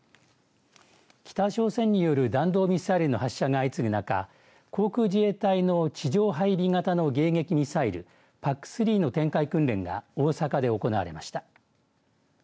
北朝鮮による弾道ミサイルの発射が相次ぐ中航空自衛隊の地上配備型の迎撃ミサイルＰＡＣ３の展開訓練が大阪で行われました。